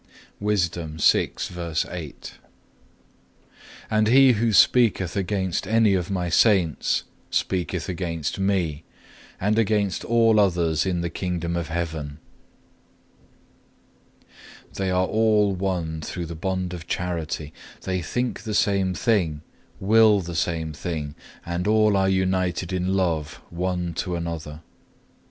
(6) And he who speaketh against any of My Saints speaketh against Me, and against all others in the Kingdom of Heaven." They are all one through the bond of charity; they think the same thing, will the same thing, and all are united in love one to another. 5.